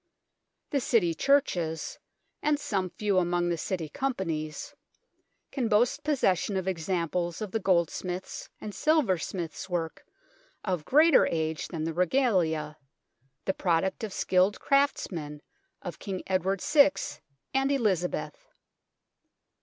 The City churches, and some few among the City Companies, can boast possession of examples of the goldsmith's and silversmith's work of greater age than the Regalia, the product of skilled craftsmen of King Edward VI and Elizabeth.